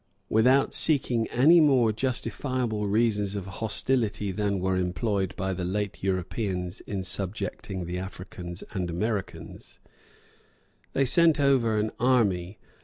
Without seeking any more justifiable reasons of hostility than were employed by the late Europeans in subjecting the Africans and Americans, they sent over an army, [A.